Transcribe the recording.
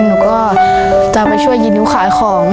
หนูก็จะไปช่วยยิ้วขายของ